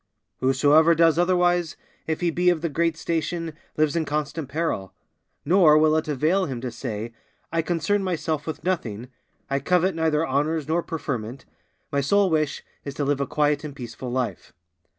Whosoever does otherwise, if he be of great station, lives in constant peril; nor will it avail him to say, "I concern myself with nothing; I covet neither honours nor preferment; my sole wish is to live a quiet and peaceful life."